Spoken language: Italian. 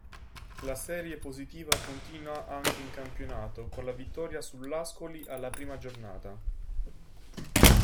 La serie positiva continua anche in campionato, con la vittoria sull'Ascoli alla prima giornata.